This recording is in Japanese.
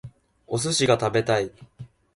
お寿司が食べたい